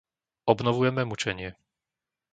Obnovujeme mučenie.